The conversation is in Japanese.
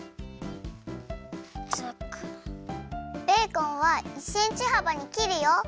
ベーコンは１センチはばにきるよ！